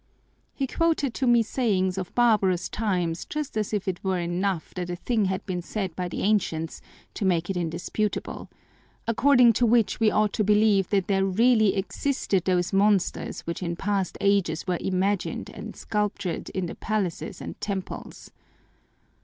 He quoted to me sayings of barbarous times just as if it were enough that a thing had been said by the ancients to make it indisputable; according to which we ought to believe that there really existed those monsters which in past ages were imaged and sculptured in the palaces and temples.